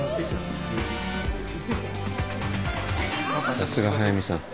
さすが速見さん。